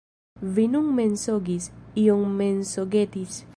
Vi nun mensogis, iom mensogetis.